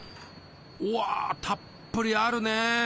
うわたっぷりあるね。